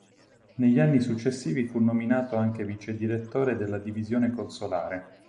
Negli anni successivi fu nominato anche vicedirettore della divisione consolare.